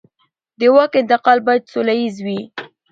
د واک انتقال باید سوله ییز وي